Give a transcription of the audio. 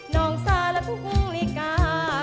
นองสารกุ้งริกา